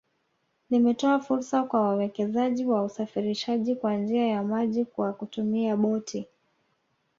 Limetoa fursa kwa wawekezaji wa usafirishaji kwa njia ya maji kwa kutumia boti